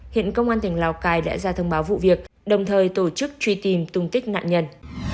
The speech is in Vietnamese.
hiện công an tỉnh lào cai đã ra thông báo vụ việc đồng thời tổ chức truy tìm tung tích nạn nhân